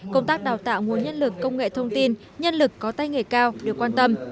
công tác đào tạo nguồn nhân lực công nghệ thông tin nhân lực có tay nghề cao được quan tâm